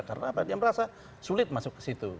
karena mereka merasa sulit masuk ke situ